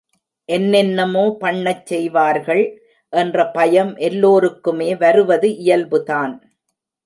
என்னென்னமோ பண்ணச் செய்வார்கள் என்ற பயம் எல்லோருக்குமே வருவது இயல்புதான்.